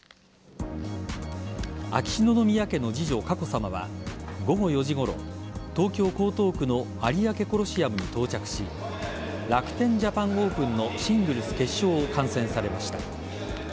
秋篠宮家の次女・佳子さまは午後４時ごろ、東京・江東区の有明コロシアムに到着し楽天・ジャパン・オープンのシングルス決勝を観戦されました。